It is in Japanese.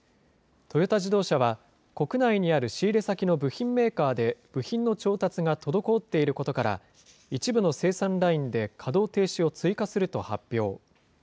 トヨタ自動車は、国内にある仕入れ先の部品メーカーで部品の調達が滞っていることから、一部の生産ラインで稼働停止を追加すると発表。